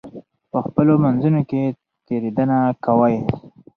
په خپلو منځونو کې تېرېدنه کوئ.